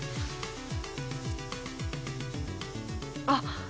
あっ！